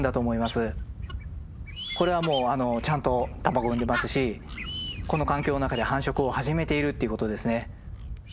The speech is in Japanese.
これはもうちゃんと卵産んでますしこの環境の中で繁殖を始めているっていうことですね。